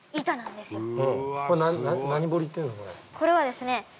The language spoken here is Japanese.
これはですね